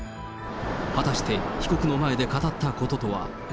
果たして被告の前で語ったこととは。